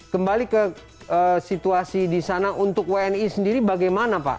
kembali ke situasi di sana untuk wni sendiri bagaimana pak